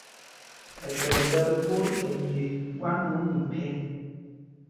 Ɛkɛl ɓɛ́l ɓot ɛɓye ɓwán ɓɛ onyûl phɛl.